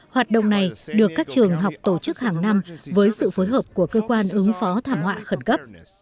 hoạt động này được các trường học tổ chức hàng năm với sự phối hợp của cơ quan ứng phó thảm họa khẩn cấp